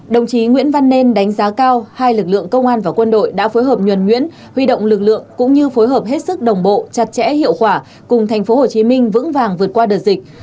đồng chí nguyễn văn nên đánh giá cao hai lực lượng công an và quân đội đã phối hợp nhuẩn nhuyễn huy động lực lượng cũng như phối hợp hết sức đồng bộ chặt chẽ hiệu quả cùng tp hcm vững vàng vượt qua đợt dịch